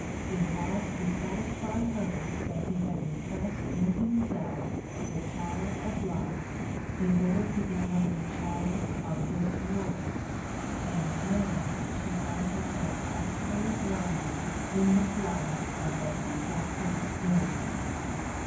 It was to satisfy her that he had repressed in himself the child of light in order to become the child of this world, and now she found herself actually drowning in the flood of that deflected energy